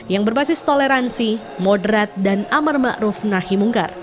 yang berbasis toleransi moderat dan amarmakruf nahi mungkar